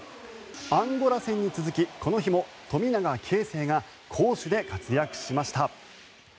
アンゴラ戦に続きこの日も富永啓生が攻守で活躍しました。